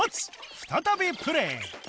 再びプレイ